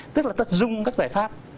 tức là tật dung các giải pháp